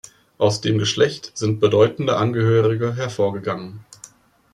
Aus dem Geschlecht sind bedeutende Angehörige hervorgegangen.